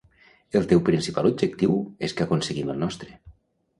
El teu principal objectiu és que aconseguim el nostre.